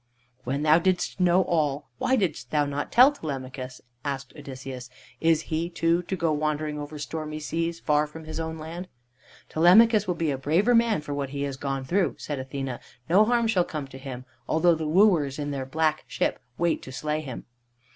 "When thou didst know all, why didst thou not tell Telemachus?" asked Odysseus. "Is he, too, to go wandering over stormy seas, far from his own land?" "Telemachus will be a braver man for what he has gone through," said Athene. "No harm shall come to him, although the wooers in their black ship wait to slay him."